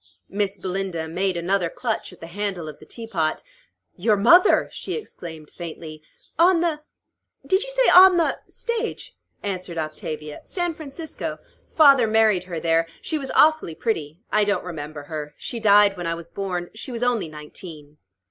Miss Belinda made another clutch at the handle of the teapot. "Your mother!" she exclaimed faintly. "On the did you say, on the" "Stage," answered Octavia. "San Francisco. Father married her there. She was awfully pretty. I don't remember her. She died when I was born. She was only nineteen."